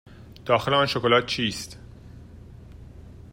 داخل آن شکلات چیست؟